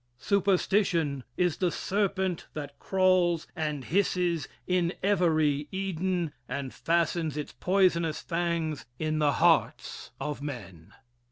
Superstition is the serpent that crawls and hisses in every Eden and fastens its poisonous fangs in the hearts of men.